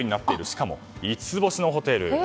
しかも五つ星のホテル。